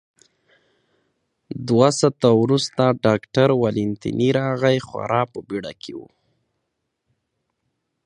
دوه ساعته وروسته ډاکټر والنتیني راغی، خورا په بېړه کې و.